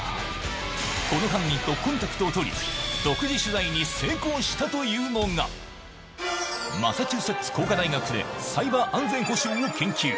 この犯人とコンタクトを取り、独自取材に成功したというのが、マサチューセッツ工科大学で、サイバー安全保障を研究。